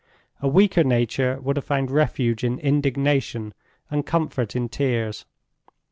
A weaker nature would have found refuge in indignation and comfort in tears.